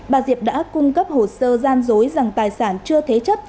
bà diệp đã cung cấp hồ sơ gian dối rằng tài sản chưa thế chấp